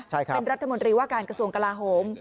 ใช่ครับเป็นรัฐมนตรีว่าการกระทรวงกลาโหม